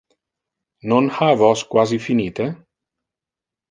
Non ha vos quasi finite?